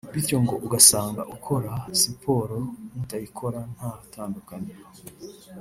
bityo ngo ugasanga ukora siporo n’utayikora nta tandukaniro